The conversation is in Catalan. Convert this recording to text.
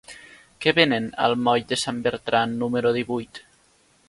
Què venen al moll de Sant Bertran número divuit?